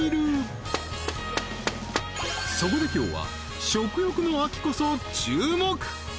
そこで今日は食欲の秋こそ注目！